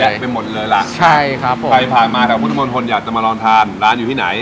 ไปหมดเลยล่ะใช่ครับผมใครผ่านมาแต่พุทธมนต์คนอยากจะมาลองทานร้านอยู่ที่ไหน